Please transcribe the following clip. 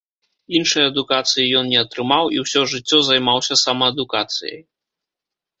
Іншай адукацыі ён не атрымаў, і ўсё жыццё займаўся самаадукацыяй.